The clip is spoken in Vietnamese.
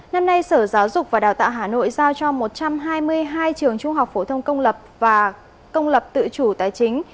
năm nay sở giáo dục và đào tạo hà nội giao cho một trăm hai mươi hai trường trung học phổ thông công lập và công lập tự chủ tài chính